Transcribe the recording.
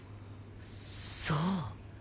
そう。